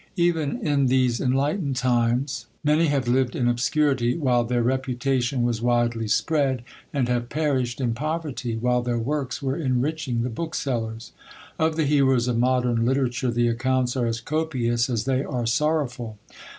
Even in these enlightened times, many have lived in obscurity, while their reputation was widely spread, and have perished in poverty, while their works were enriching the booksellers. Of the heroes of modern literature the accounts are as copious as they are sorrowful.